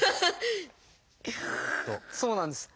そうなんです。